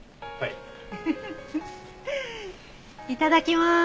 いただきます。